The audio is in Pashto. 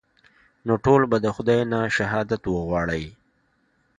نو ټول به د خداى نه شهادت وغواړئ.